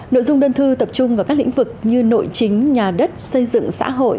nội dung đơn thư tập trung vào các lĩnh vực như nội chính nhà đất xây dựng xã hội